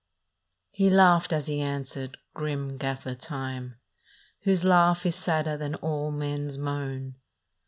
" He laughed as he answered, grim Gaffer Time, Whose laugh is sadder than all men s moan.